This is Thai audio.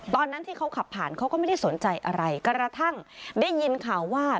ตอนนั้นที่เขาขับผ่านเขาก็ไม่ได้สนใจอะไรกระทั่งได้ยินข่าวว่า